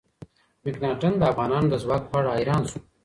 مکناتن د افغانانو د ځواک په اړه حیران شو.